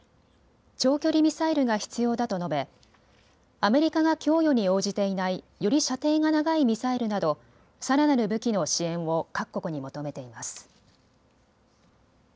長距離ミサイルが必要だと述べ、アメリカが供与に応じていないより射程が長いミサイルなどさらなる武器の支援を各国に求めています。